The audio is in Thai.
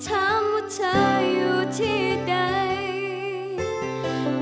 ถามว่าเธออยู่ที่ใด